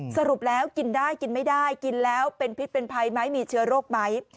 สรุปแล้วกินได้กินไม่ได้กินแล้วเป็นพิษเป็นภัยไหมมีเชื้อโรคไหม